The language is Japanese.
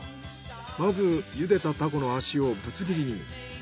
まず茹でたタコの脚をぶつ切りに。